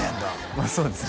まあそうですね